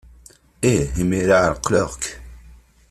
Ih, imir-a ɛeqleɣ-k!